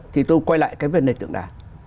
thì tôi quay lại cái vấn đề tượng đài